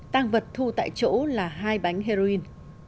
tăng vật thu tại chỗ là hai bánh heroin